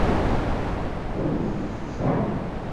tumia vyakula vyenye nyuzinyuzi kwa wingi